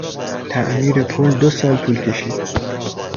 تعمیر پل دو سال طول کشید.